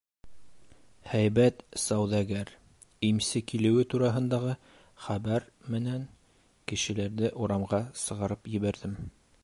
Һәйбәт сауҙагәр, имсе килеүе тураһындағы хәбәр менән кешеләрҙе урамға сығарып ебәрҙем.